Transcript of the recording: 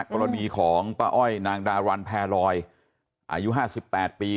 กรณีของป้าอ้อยนางดารัญแพรรอยอายุห้าสิบแปดปี